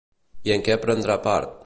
I en què prendrà part?